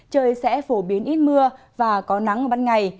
trời sẽ phổ biến ít mưa và có nắng ở ban ngày